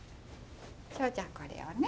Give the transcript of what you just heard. じゃあこれをね。